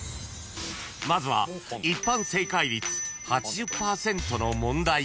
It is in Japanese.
［まずは一般正解率８０％の問題から］